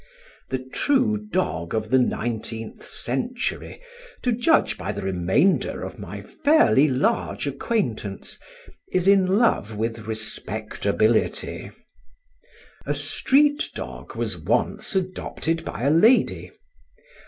The true dog of the nineteenth century, to judge by the remainder of my fairly large acquaintance, is in love with respectability. A street dog was once adopted by a lady.